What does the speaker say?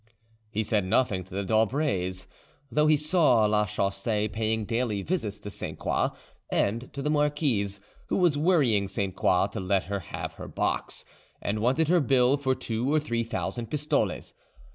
He said nothing to the d'Aubrays, though he saw Lachaussee paying daily visits to Sainte Croix and to the marquise, who was worrying Sainte Croix to let her have her box, and wanted her bill for two or three thousand pistoles.